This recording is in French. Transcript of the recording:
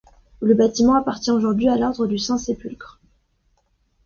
Le bâtiment appartient aujourd'hui à l'ordre du Saint-Sépulcre.